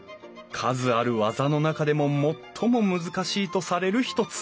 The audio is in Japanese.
数ある技の中でも最も難しいとされる一つ。